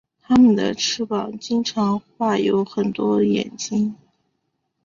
他们的翅膀经常画有很多眼睛。